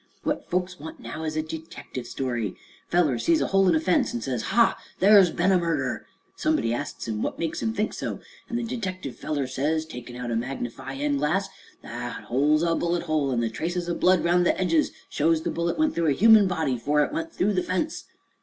"What folks want now is a detective story. Feller sees a hole in a fence an' says, 'Ha! there's ben a murder!' Somebody asks what makes him think so, an' the detective feller says, takin' out a magnifie in' glass, 'Thet hole's a bullet hole, an' the traces o' blood aroun' the edges shows the bullet went through a human body afore it went through the fence.'